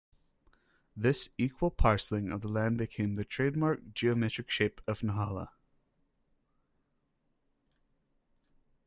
This equal parceling of the land became the trademark geometric shape of Nahalal.